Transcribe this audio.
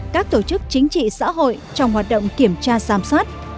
các tổ chức chính trị xã hội trong hoạt động kiểm tra giám sát